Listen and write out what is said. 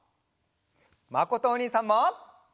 まことおにいさんも！